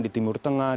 di timur tengah